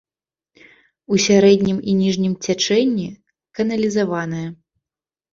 У сярэднім і ніжнім цячэнні каналізаваная.